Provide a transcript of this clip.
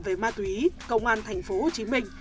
về ma túy công an tp hcm